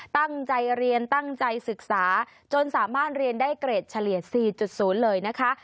ตั้งใจเรียนตั้งใจศึกษาจนสามารถเรียนได้เกรดเฉลี่ย๔๐เลยนะคะ